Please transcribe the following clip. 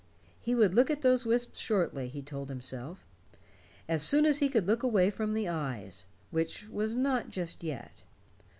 He would look at those wisps shortly, he told himself. As soon as he could look away from the eyes which was not just yet.